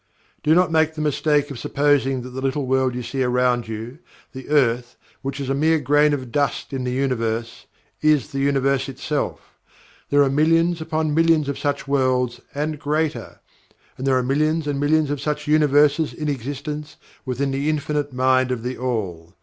Do not make the mistake of supposing that the little world you see around you the Earth, which is a mere grain of dust in the Universe is the Universe itself. There are millions upon millions of such worlds, and greater. And there are millions of millions of such Universes in existence within the Infinite Mind of THE ALL.